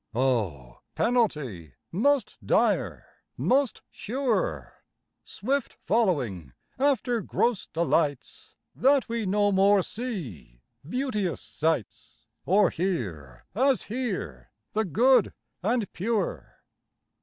O! penalty most dire, most sure, Swift following after gross delights, That we no more see beauteous sights, Or hear as hear the good and pure.